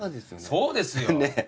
そうですよ。